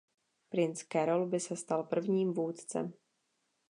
Princ Carol by se stal prvním vůdcem.